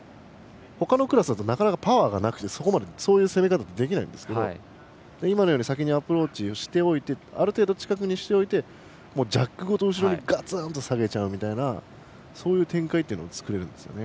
ほかのクラスだとなかなかパワーがなくてそういう攻め方できないんですけど今のようにアプローチしてある程度近くにしておいてジャックごと後ろにガツンと下げちゃうみたいなそういう展開が作れるんですね。